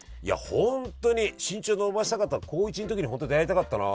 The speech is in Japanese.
本当に身長伸ばしたかった高１ん時に本当出会いたかったな。